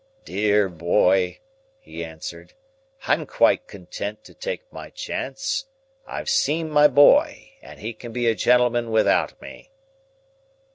"Dear boy," he answered, "I'm quite content to take my chance. I've seen my boy, and he can be a gentleman without me."